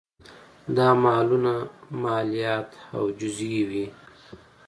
دا مالونه مالیات او جزیې وې